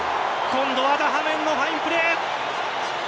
今度はダハメンのファインプレー。